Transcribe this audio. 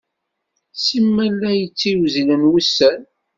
Simal la ttiwzilen wussan.